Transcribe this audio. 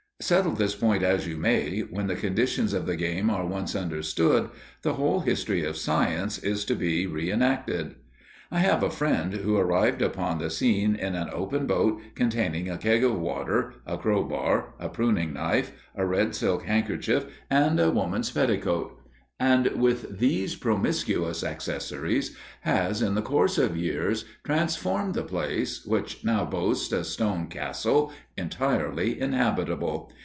Settle this point as you may, when the conditions of the game are once understood, the whole history of Science is to be re enacted. I have a friend who arrived upon the scene in an open boat containing a keg of water, a crowbar, a pruning knife, a red silk handkerchief and a woman's petticoat; and with these promiscuous accessories has, in the course of years, transformed the place, which now boasts a stone castle, entirely inhabitable.